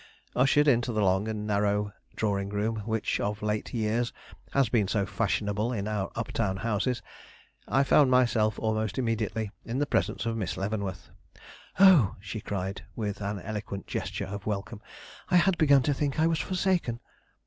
Ushered into the long and narrow drawing room which of late years has been so fashionable in our uptown houses, I found myself almost immediately in the presence of Miss Leavenworth. "Oh," she cried, with an eloquent gesture of welcome, "I had begun to think I was forsaken!"